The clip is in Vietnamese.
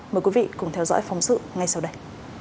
mời quý vị cùng theo dõi phóng sự ngay sau đây